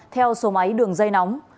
theo số máy đường dây nóng